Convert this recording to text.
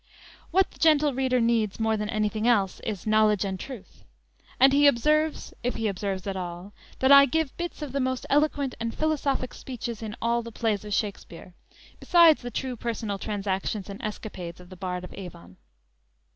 What the "gentle reader" needs more than anything else is knowledge and truth; and he observes, if he observes at all, that I give bits of the most eloquent and philosophic speeches in all the plays of Shakspere, besides the true personal transactions and escapades of the Bard of Avon!